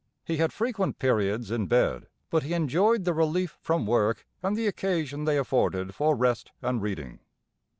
He had frequent periods in bed; but he enjoyed the relief from work and the occasion they afforded for rest and reading.